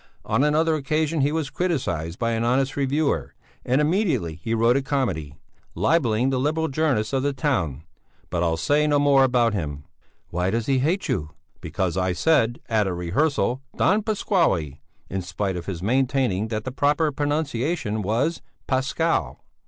On another occasion he was criticized by an honest reviewer, and immediately he wrote a comedy, libelling the liberal journalists of the town. But I'll say no more about him!" "Why does he hate you?" "Because I said, at a rehearsal, Don Pasquale, in spite of his maintaining that the proper pronunciation was Pascal.